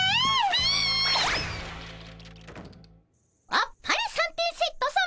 あっぱれ三点セットさま！